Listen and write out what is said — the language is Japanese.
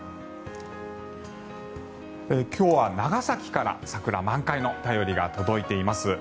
今日は長崎から桜満開の便りが届いています。